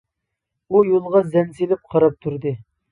ئۇ يولغا زەن سېلىپ قاراپ تۇردى.